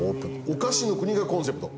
お菓子の国がコンセプト。